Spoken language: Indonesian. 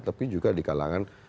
tapi juga di kalangan